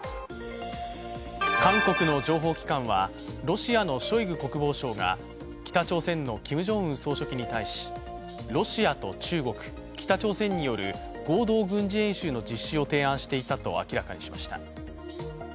韓国の情報機関はロシアのショイグ国防相が北朝鮮のキム・ジョンウン総書記に対し、ロシアと中国、北朝鮮による合同軍事演習の実施を提案していたと明らかにしました。